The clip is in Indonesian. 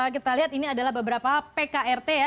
kita lihat ini adalah beberapa pkrt ya